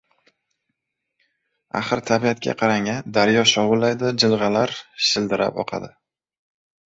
Axir, tabiatga qarang-a! Daryo «shovullaydi». Jilg‘alar «shildirab» oqadi.